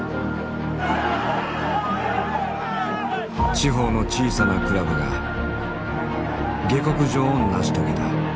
地方の小さなクラブが下克上を成し遂げた。